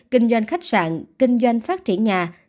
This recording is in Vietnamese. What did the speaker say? kinh doanh khách sạn kinh doanh phát triển nhà